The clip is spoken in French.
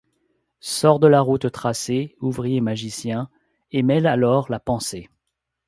Sors de la route tracée, Ouvrier magicien, Et mêle à l’or la pensée!